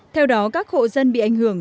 theo đó các hộ dân bị ảnh hưởng